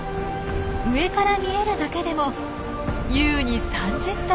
上から見えるだけでも優に３０頭はいそう。